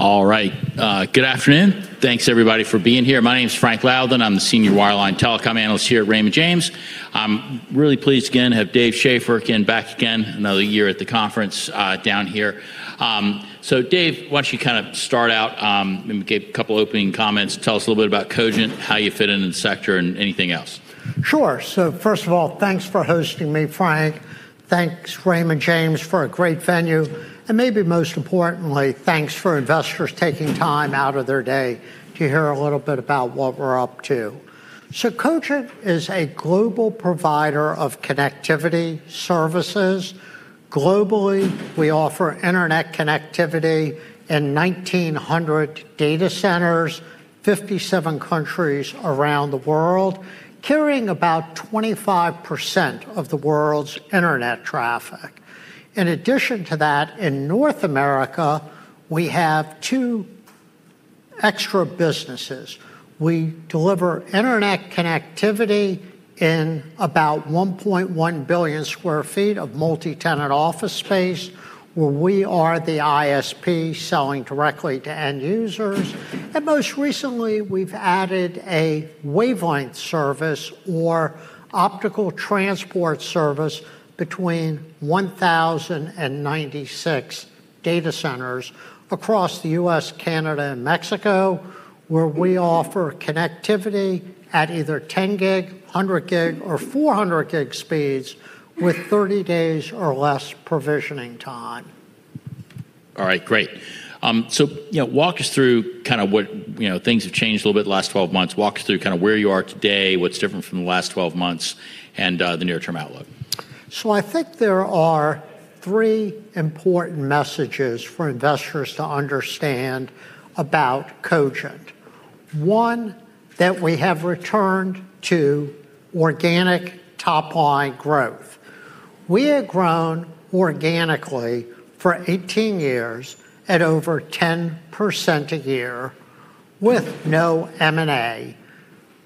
All right. Good afternoon. Thanks everybody for being here. My name's Frank Louthan. I'm the Senior Wireline Telecom Analyst here at Raymond James. I'm really pleased again to have Dave Schaeffer back another year at the conference down here. Dave, why don't you kind of start out and give a couple opening comments. Tell us a little bit about Cogent, how you fit into the sector, and anything else. Sure. First of all, thanks for hosting me, Frank. Thanks Raymond James for a great venue, and maybe most importantly, thanks for investors taking time out of their day to hear a little bit about what we're up to. Cogent is a global provider of connectivity services. Globally, we offer Internet connectivity in 1,900 data centers, 57 countries around the world, carrying about 25% of the world's Internet traffic. In addition to that, in North America, we have two extra businesses. We deliver Internet connectivity in about 1.1 billion sq ft of multi-tenant office space, where we are the ISP selling directly to end users. Most recently, we've added a wavelength service or optical transport service between 1,096 data centers across the U.S., Canada, and Mexico, where we offer connectivity at either 10 GB, 100 GB, or 400 GB speeds with 30 days or less provisioning time. All right, great. You know, walk us through kind of what, you know, things have changed a little bit the last 12 months. Walk us through kind of where you are today, what's different from the last 12 months, and the near term outlook. I think there are three important messages for investors to understand about Cogent. One, that we have returned to organic top line growth. We had grown organically for 18 years at over 10% a year with no M&A.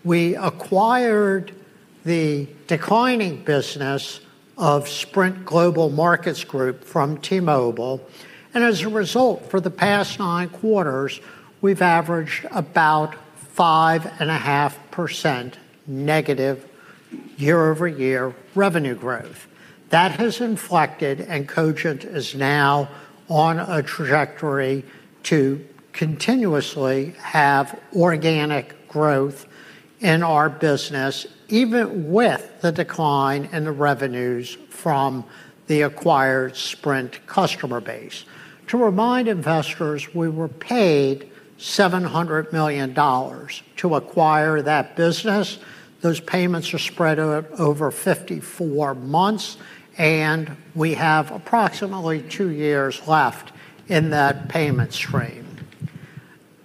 We acquired the declining business of Sprint Global Markets Group from T-Mobile, and as a result, for the past nine quarters, we've averaged about 5.5% negative year-over-year revenue growth. That has inflected, and Cogent is now on a trajectory to continuously have organic growth in our business, even with the decline in the revenues from the acquired Sprint customer base. To remind investors, we were paid $700 million to acquire that business. Those payments are spread over 54 months, and we have approximately two years left in that payment stream.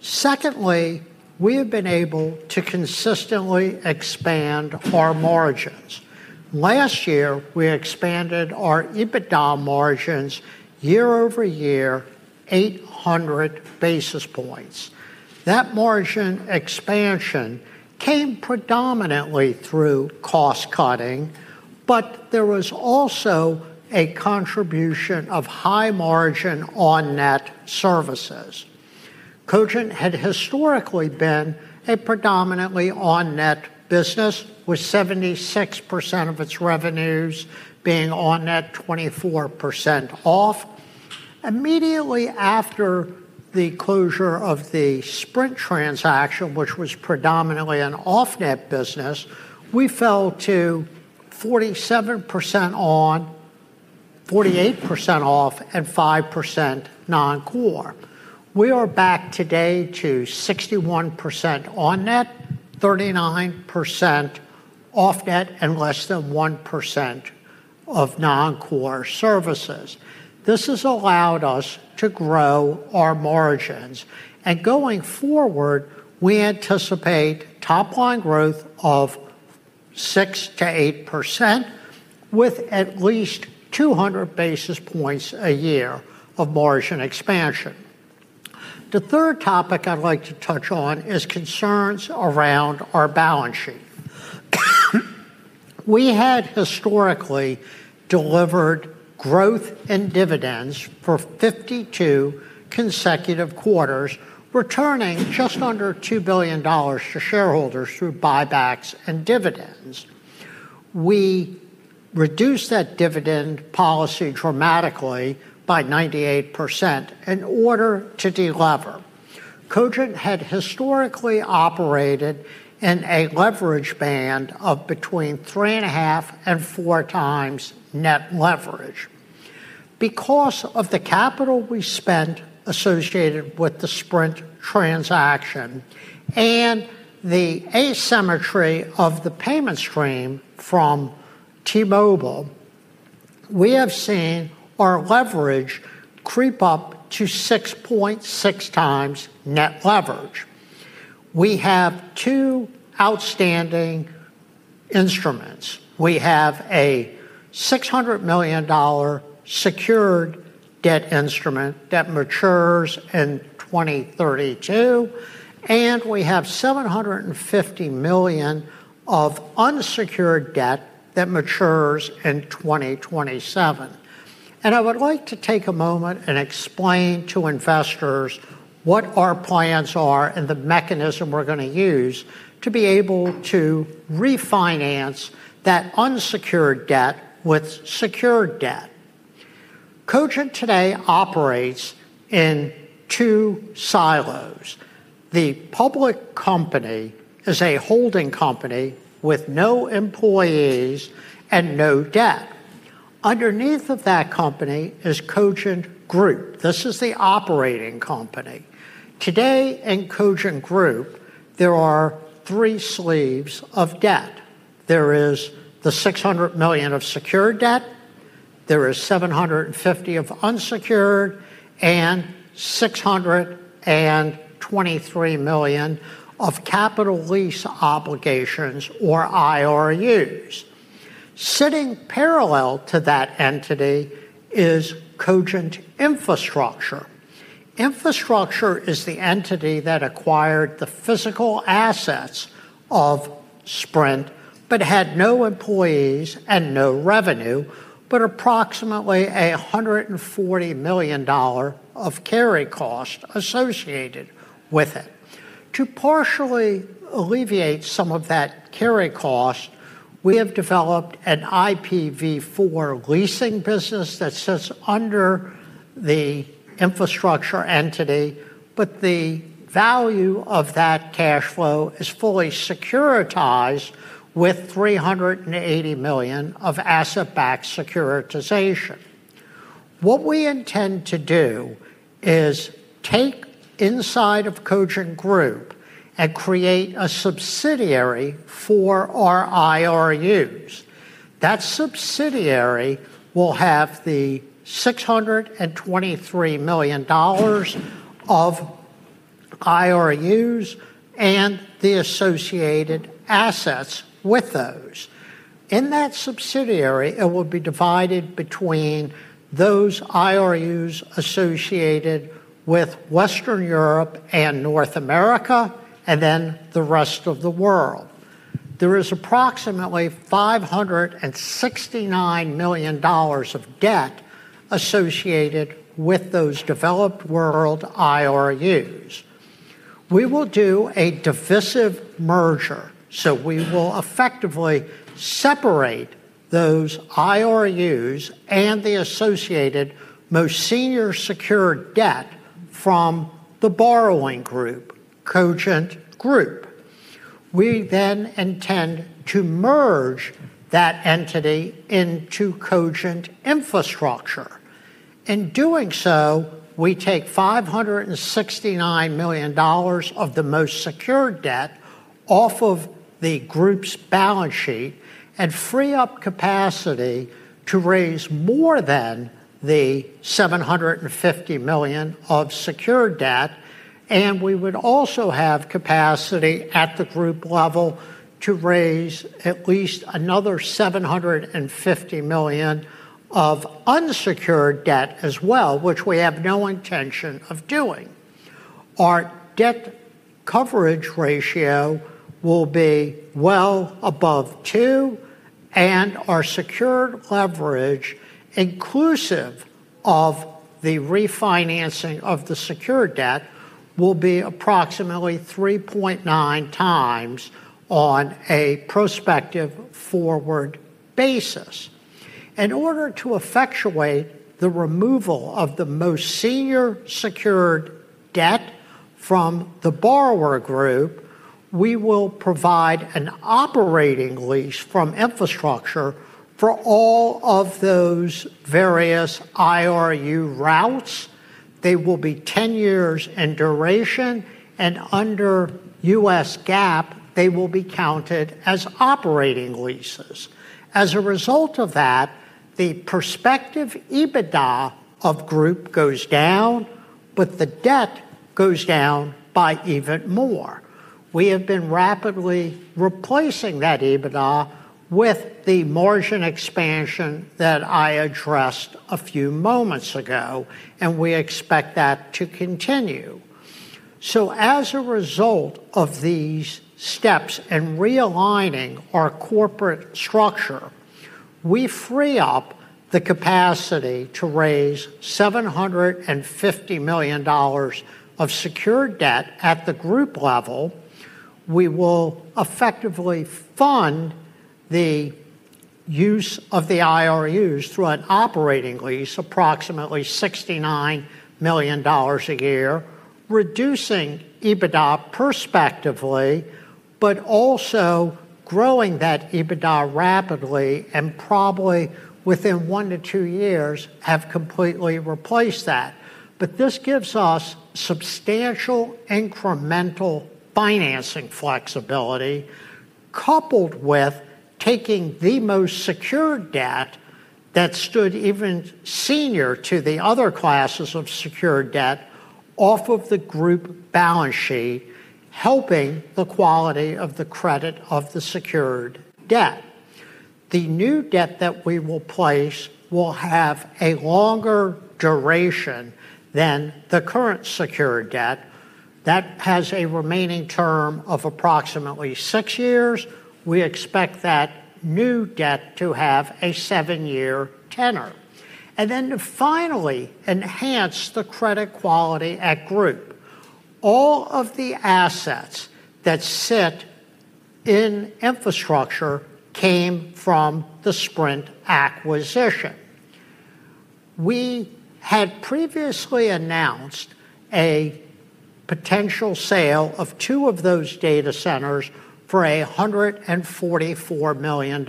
Secondly, we have been able to consistently expand our margins. Last year, we expanded our EBITDA margins year-over-year 800 basis points. That margin expansion came predominantly through cost-cutting, but there was also a contribution of high margin on-net services. Cogent had historically been a predominantly on-net business, with 76% of its revenues being on-net, 24% off. Immediately after the closure of the Sprint transaction, which was predominantly an off-net business, we fell to 47% on, 48% off, and 5% non-core. We are back today to 61% on-net, 39% off-net, and less than 1% of non-core services. This has allowed us to grow our margins. Going forward, we anticipate top line growth of 6%-8%, with at least 200 basis points a year of margin expansion. The third topic I'd like to touch on is concerns around our balance sheet. We had historically delivered growth and dividends for 52 consecutive quarters, returning just under $2 billion to shareholders through buybacks and dividends. We reduced that dividend policy dramatically by 98% in order to delever. Cogent had historically operated in a leverage band of between 3.5 and four times net leverage. Because of the capital we spent associated with the Sprint transaction and the asymmetry of the payment stream from T-Mobile, we have seen our leverage creep up to 6.6 times net leverage. We have two outstanding instruments. We have a $600 million secured debt instrument that matures in 2032, and we have $750 million of unsecured debt that matures in 2027. I would like to take a moment and explain to investors what our plans are and the mechanism we're gonna use to be able to refinance that unsecured debt with secured debt. Cogent today operates in two silos. The public company is a holding company with no employees and no debt. Underneath of that company is Cogent Group. This is the operating company. Today in Cogent Group, there are three sleeves of debt. There is the $600 million of secured debt, there is $750 million of unsecured, and $623 million of capital lease obligations or IRUs. Sitting parallel to that entity is Cogent Infrastructure. Infrastructure is the entity that acquired the physical assets of Sprint, but had no employees and no revenue, but approximately a $140 million of carry cost associated with it. To partially alleviate some of that carry cost, we have developed an IPv4 leasing business that sits under the infrastructure entity, but the value of that cash flow is fully securitized with $380 million of asset-backed securitization. What we intend to do is take inside of Cogent Group and create a subsidiary for our IRUs. That subsidiary will have the $623 million of IRUs and the associated assets with those. In that subsidiary, it will be divided between those IRUs associated with Western Europe and North America, and then the rest of the world. There is approximately $569 million of debt associated with those developed world IRUs. We will do a divisive merger, so we will effectively separate those IRUs and the associated most senior secured debt from the borrowing group, Cogent Group. We intend to merge that entity into Cogent Infrastructure. In doing so, we take $569 million of the most secured debt off of the group's balance sheet and free up capacity to raise more than the $750 million of secured debt. We would also have capacity at the group level to raise at least another $750 million of unsecured debt as well, which we have no intention of doing. Our debt coverage ratio will be well above two. Our secured leverage, inclusive of the refinancing of the secured debt, will be approximately 3.9 times on a prospective forward basis. In order to effectuate the removal of the most senior secured debt from the borrower group, we will provide an operating lease from Infrastructure for all of those various IRU routes. They will be 10 years in duration, and under U.S. GAAP, they will be counted as operating leases. As a result of that, the prospective EBITDA of group goes down, but the debt goes down by even more. We have been rapidly replacing that EBITDA with the margin expansion that I addressed a few moments ago, and we expect that to continue. As a result of these steps and realigning our corporate structure, we free up the capacity to raise $750 million of secured debt at the group level. We will effectively fund the use of the IRUs through an operating lease, approximately $69 million a year, reducing EBITDA prospectively, but also growing that EBITDA rapidly and probably within one to two years have completely replaced that. This gives us substantial incremental financing flexibility coupled with taking the most secured debt that stood even senior to the other classes of secured debt off of the group balance sheet, helping the quality of the credit of the secured debt. The new debt that we will place will have a longer duration than the current secured debt that has a remaining term of approximately six years. We expect that new debt to have a seven-year tenor. Then to finally enhance the credit quality at group. All of the assets that sit in infrastructure came from the Sprint acquisition. We had previously announced a potential sale of two of those data centers for $144 million.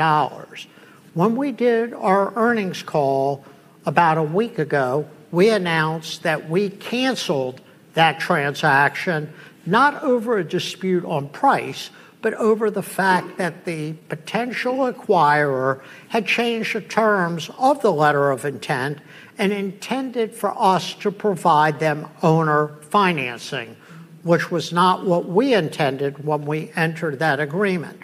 When we did our earnings call about a week ago, we announced that we canceled that transaction, not over a dispute on price, but over the fact that the potential acquirer had changed the terms of the letter of intent and intended for us to provide them owner financing, which was not what we intended when we entered that agreement.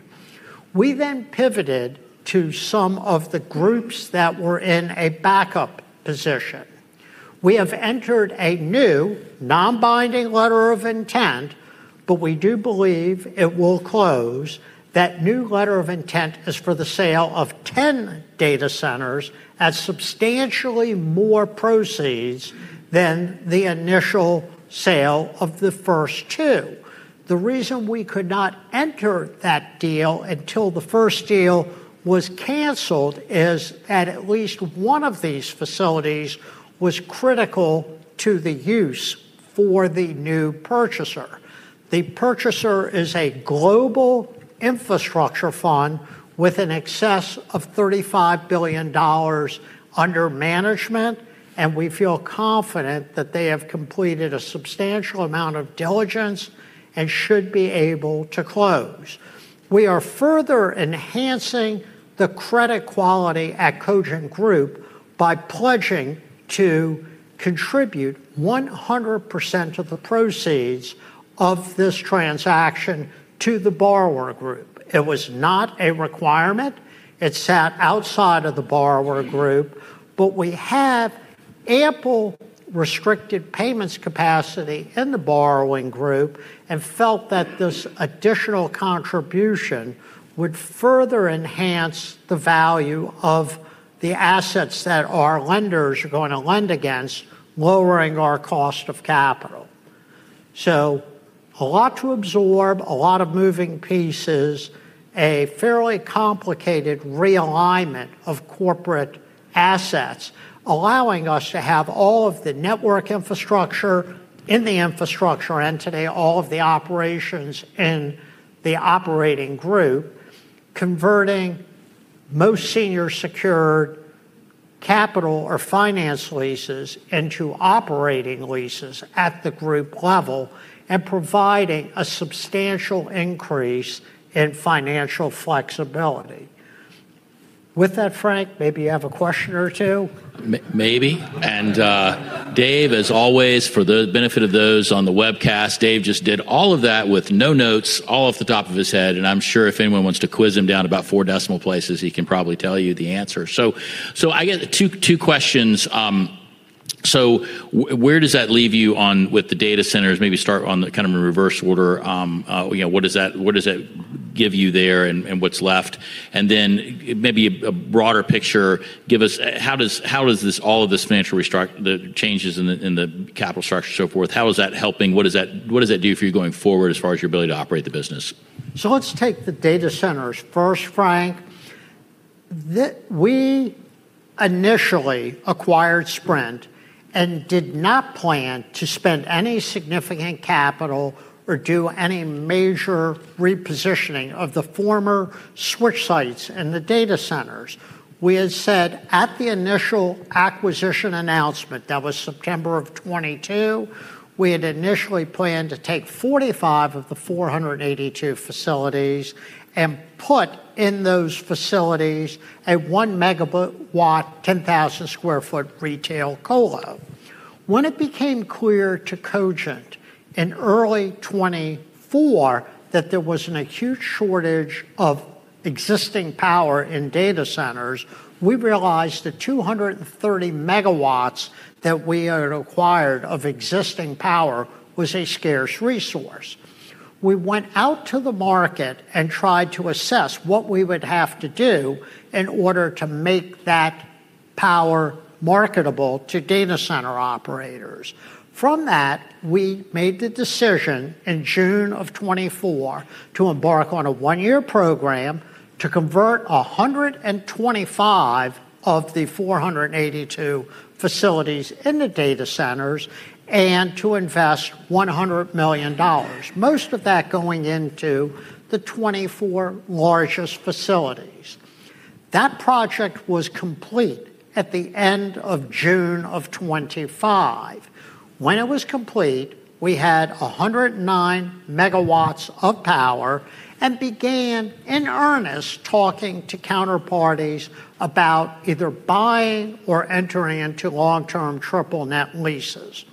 We pivoted to some of the groups that were in a backup position. We have entered a new non-binding letter of intent, but we do believe it will close. That new letter of intent is for the sale of 10 data centers at substantially more proceeds than the initial sale of the first two. The reason we could not enter that deal until the first deal was canceled is that at least one of these facilities was critical to the use for the new purchaser. The purchaser is a global infrastructure fund with an excess of $35 billion under management. We feel confident that they have completed a substantial amount of diligence and should be able to close. We are further enhancing the credit quality at Cogent Group by pledging to contribute 100% of the proceeds of this transaction to the borrower group. It was not a requirement. It sat outside of the borrower group. We have ample restricted payments capacity in the borrowing group and felt that this additional contribution would further enhance the value of the assets that our lenders are going to lend against, lowering our cost of capital. A lot to absorb, a lot of moving pieces, a fairly complicated realignment of corporate assets, allowing us to have all of the network infrastructure in the infrastructure entity, all of the operations in the operating group, converting most senior secured capital or finance leases into operating leases at the group level and providing a substantial increase in financial flexibility. With that, Frank, maybe you have a question or two. Maybe. Dave, as always, for the benefit of those on the webcast, Dave just did all of that with no notes, all off the top of his head, and I'm sure if anyone wants to quiz him down about four decimal places, he can probably tell you the answer. I got two questions. Where does that leave you on with the data centers? Maybe start on the kind of in reverse order. You know, what does that give you there and what's left? Maybe a broader picture. Give us. How does this, the changes in the capital structure and so forth, how is that helping? What does that do for you going forward as far as your ability to operate the business? Let's take the data centers first, Frank. We initially acquired Sprint and did not plan to spend any significant capital or do any major repositioning of the former switch sites and the data centers. We had said at the initial acquisition announcement, that was September of 2022, we had initially planned to take 45 of the 482 facilities and put in those facilities a 1 MW, 10,000 sq ft retail colo. When it became clear to Cogent in early 2024 that there was an acute shortage of existing power in data centers, we realized the 230 MW that we had acquired of existing power was a scarce resource. We went out to the market and tried to assess what we would have to do in order to make that power marketable to data center operators. From that, we made the decision in June of 2024 to embark on a one-year program to convert 125 of the 482 facilities in the data centers and to invest $100 million, most of that going into the 24 largest facilities. That project was complete at the end of June of 2025. When it was complete, we had 109 MW of power and began in earnest talking to counterparties about either buying or entering into long-term triple net leases.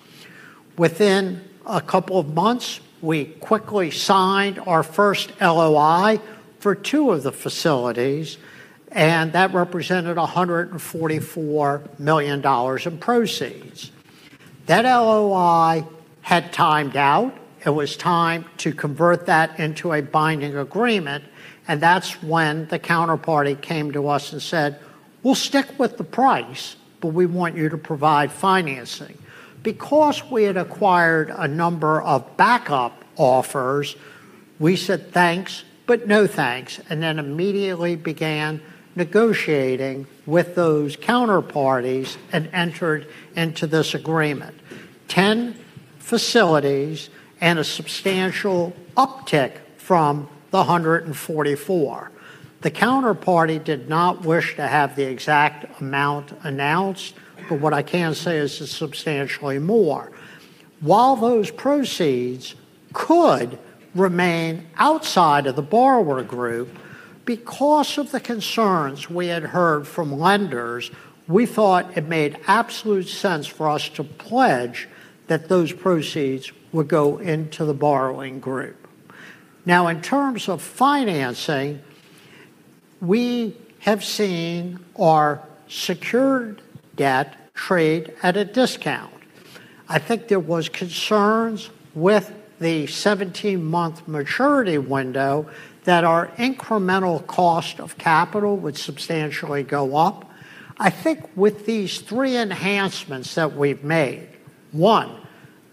Within a couple of months, we quickly signed our first LOI for two of the facilities, and that represented $144 million in proceeds. That LOI had timed out. It was time to convert that into a binding agreement, that's when the counterparty came to us and said, "We'll stick with the price, but we want you to provide financing." Because we had acquired a number of backup offers, we said, "Thanks, but no thanks," then immediately began negotiating with those counterparties and entered into this agreement, 10 facilities and a substantial uptick from the 144. The counterparty did not wish to have the exact amount announced, what I can say is it's substantially more. While those proceeds could remain outside of the borrower group, because of the concerns we had heard from lenders, we thought it made absolute sense for us to pledge that those proceeds would go into the borrowing group. Now, in terms of financing, we have seen our secured debt trade at a discount. I think there was concerns with the 17-month maturity window that our incremental cost of capital would substantially go up. I think with these three enhancements that we've made, one,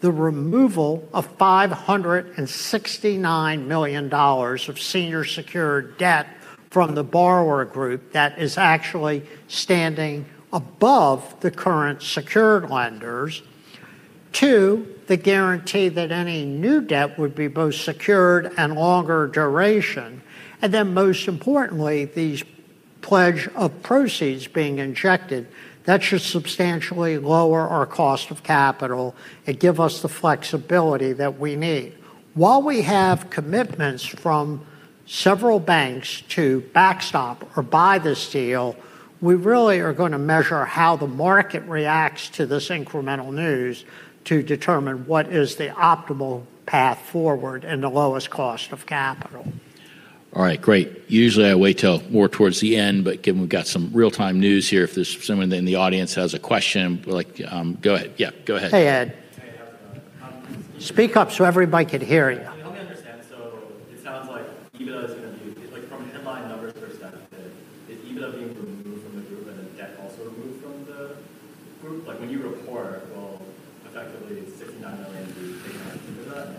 the removal of $569 million of senior secured debt from the borrower group that is actually standing above the current secured lenders. Two, the guarantee that any new debt would be both secured and longer duration. Then most importantly, these pledge of proceeds being injected, that should substantially lower our cost of capital and give us the flexibility that we need. While we have commitments from several banks to backstop or buy this deal, we really are gonna measure how the market reacts to this incremental news to determine what is the optimal path forward and the lowest cost of capital. All right. Great. Usually I wait till more towards the end, given we've got some real-time news here, if there's someone in the audience has a question, like, go ahead. Yeah, go ahead. Hey, Ed. Hey, how's it going? Speak up so everybody can hear you. To help me understand, it sounds like EBITDA is gonna be... Like, from a headline numbers perspective, is EBITDA being removed from the group and the debt also removed from the group? Like, when you report, will effectively $69 million be taken out of EBITDA?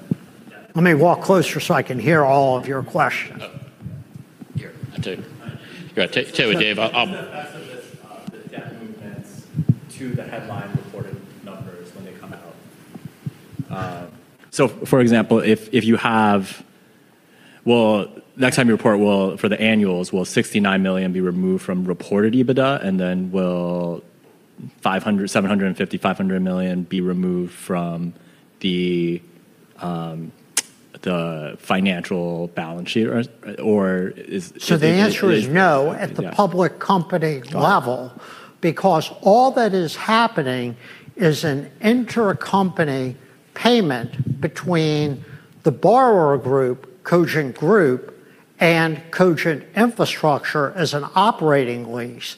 Yeah. Let me walk closer so I can hear all of your questions. Oh. Here, take. Go ahead. Take it away, Dave. What is the effect of this, the debt movements to the headline reported numbers when they come out? For example, next time you report, for the annuals, will $69 million be removed from reported EBITDA? Will $500 million, $750 million, $500 million be removed from the financial balance sheet? The answer is no. Yeah at the public company level, because all that is happening is an intercompany payment between the borrower group, Cogent Group, and Cogent Infrastructure as an operating lease.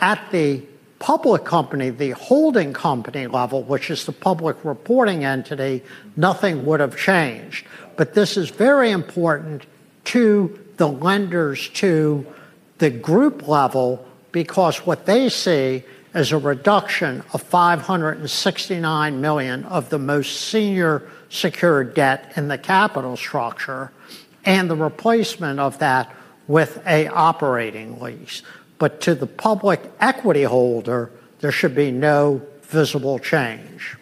At the public company, the holding company level, which is the public reporting entity, nothing would have changed. This is very important to the lenders to the group level, because what they see is a reduction of $569 million of the most senior secured debt in the capital structure and the replacement of that with a operating lease. To the public equity holder, there should be no visible change.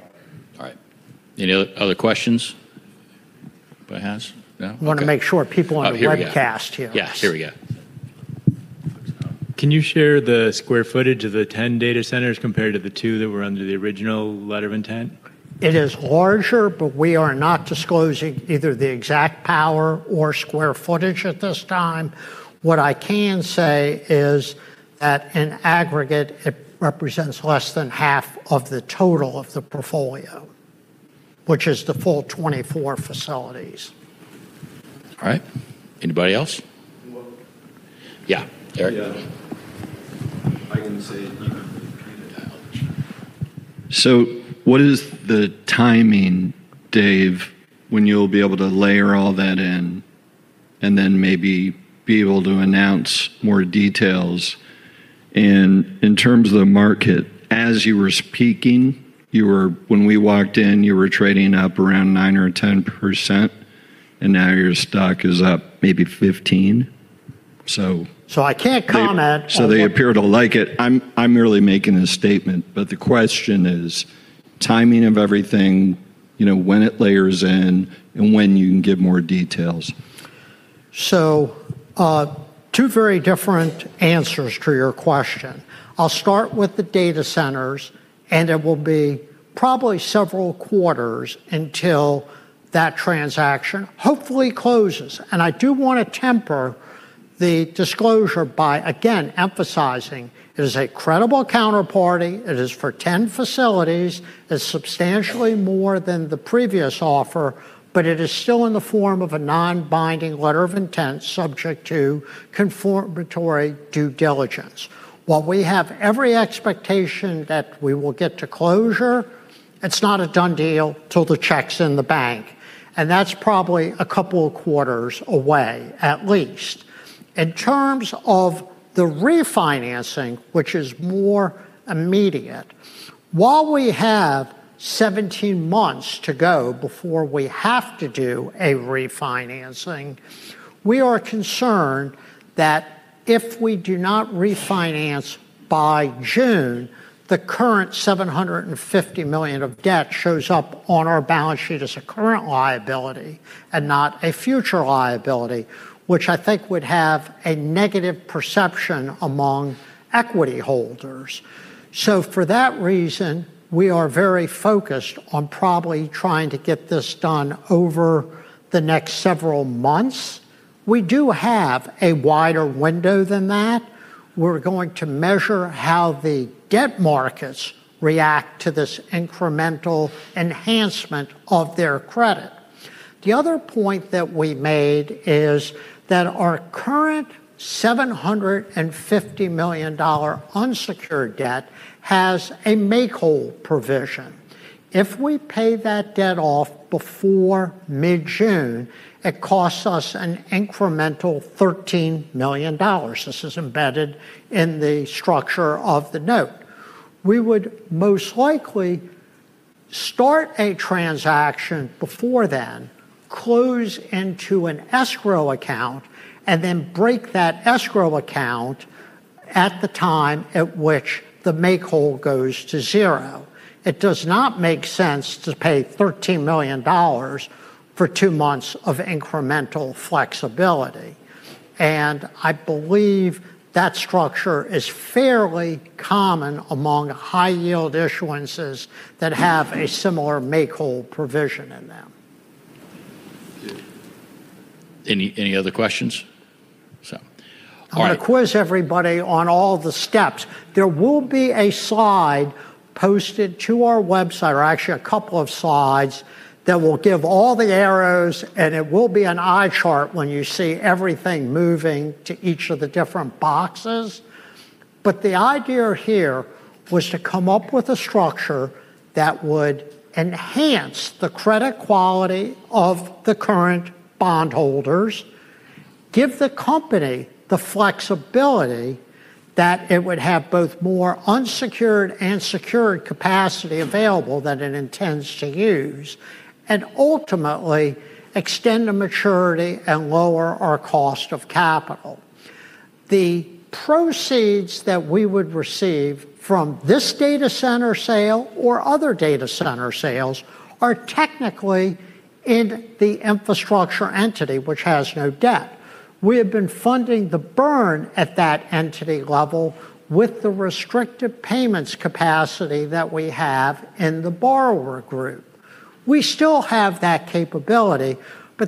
All right. Any other questions? By hands? No? Okay. Want to make sure people on the webcast hear. Oh, here we go. Yes, here we go. Can you share the square footage of the 10 data centers compared to the two that were under the original letter of intent? It is larger, but we are not disclosing either the exact power or square footage at this time. What I can say is at an aggregate, it represents less than half of the total of the portfolio, which is the full 24 facilities. All right. Anybody else? Well- Yeah, Eric. Yeah. I can say What is the timing, Dave, when you'll be able to layer all that in and then maybe be able to announce more details? In terms of market, as you were speaking, when we walked in, you were trading up around 9% or 10%, and now your stock is up maybe 15%. I can't comment on. They appear to like it. I'm merely making a statement. The question is timing of everything, you know, when it layers in and when you can give more details. Two very different answers to your question. I'll start with the data centers. It will be probably several quarters until that transaction hopefully closes. I do wanna temper the disclosure by, again, emphasizing it is a credible counterparty, it is for 10 facilities, it's substantially more than the previous offer, but it is still in the form of a non-binding letter of intent subject to confirmatory due diligence. While we have every expectation that we will get to closure, it's not a done deal till the check's in the bank, and that's probably a couple of quarters away at least. In terms of the refinancing, which is more immediate, while we have 17 months to go before we have to do a refinancing, we are concerned that if we do not refinance by June, the current $750 million of debt shows up on our balance sheet as a current liability and not a future liability, which I think would have a negative perception among equity holders. For that reason, we are very focused on probably trying to get this done over the next several months. We do have a wider window than that. We're going to measure how the debt markets react to this incremental enhancement of their credit. The other point that we made is that our current $750 million unsecured debt has a make-whole provision. If we pay that debt off before mid-June, it costs us an incremental $13 million. This is embedded in the structure of the note. We would most likely start a transaction before then, close into an escrow account, and then break that escrow account at the time at which the make-whole goes to zero. It does not make sense to pay $13 million for two months of incremental flexibility. I believe that structure is fairly common among high-yield issuances that have a similar make-whole provision in them. Any other questions? All right. I'm gonna quiz everybody on all the steps. There will be a slide posted to our website, or actually a couple of slides, that will give all the arrows, and it will be an eye chart when you see everything moving to each of the different boxes. The idea here was to come up with a structure that would enhance the credit quality of the current bondholders, give the company the flexibility that it would have both more unsecured and secured capacity available than it intends to use, and ultimately extend the maturity and lower our cost of capital. The proceeds that we would receive from this data center sale or other data center sales are technically in the infrastructure entity, which has no debt. We have been funding the burn at that entity level with the restrictive payments capacity that we have in the borrower group. We still have that capability,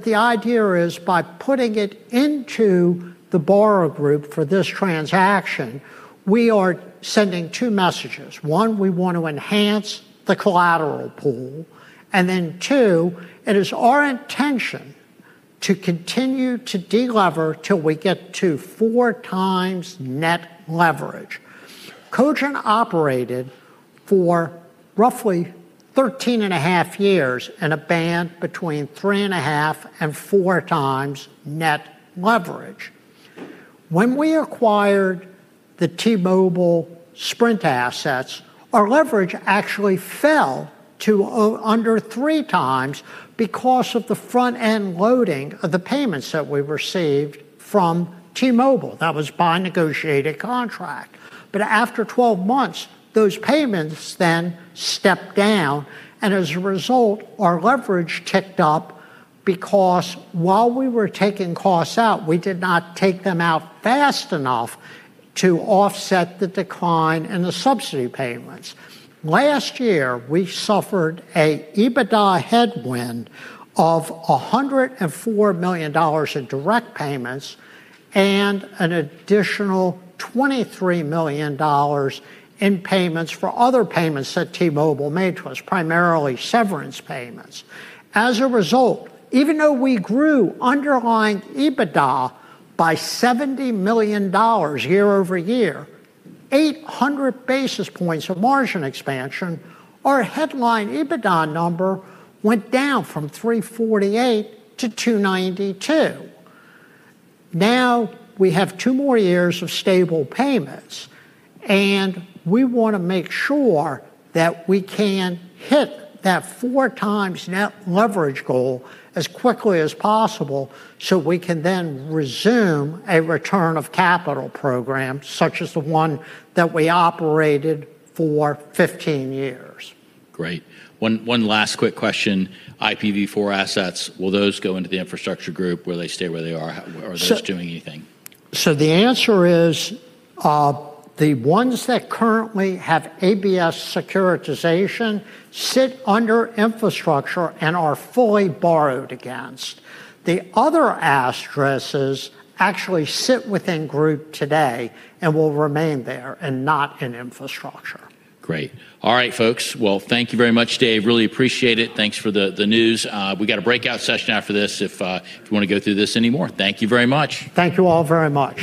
the idea is by putting it into the borrower group for this transaction, we are sending two messages. One, we want to enhance the collateral pool. Two, it is our intention to continue to de-lever till we get to four times net leverage. Cogent operated for roughly 13 and a half years in a band between three and a half and four times net leverage. When we acquired the T-Mobile Sprint assets, our leverage actually fell to under three times because of the front-end loading of the payments that we received from T-Mobile. That was by negotiated contract. After 12 months, those payments then stepped down and as a result, our leverage ticked up because while we were taking costs out, we did not take them out fast enough to offset the decline in the subsidy payments. Last year, we suffered a EBITDA headwind of $104 million in direct payments and an additional $23 million in payments for other payments that T-Mobile made to us, primarily severance payments. As a result, even though we grew underlying EBITDA by $70 million year-over-year, 800 basis points of margin expansion, our headline EBITDA number went down from $348 to $292. Now, we have two more years of stable payments and we wanna make sure that we can hit that four times net leverage goal as quickly as possible, so we can then resume a return of capital program such as the one that we operated for 15 years. Great. One last quick question. IPv4 assets, will those go into the infrastructure group? Will they stay where they are? How, or are those doing anything? The answer is, the ones that currently have ABS securitization sit under infrastructure and are fully borrowed against. The other addresses actually sit within group today and will remain there and not in infrastructure. Great. All right, folks. Well, thank you very much, Dave. Really appreciate it. Thanks for the news. We got a breakout session after this if you wanna go through this any more. Thank you very much. Thank you all very much.